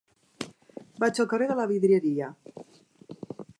Vaig al carrer de la Vidrieria.